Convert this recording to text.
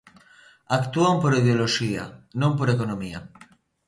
Actúan por ideoloxía, non por economía.